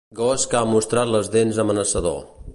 Gos que ha mostrat les dents amenaçador.